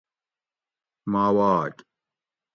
ماواک:-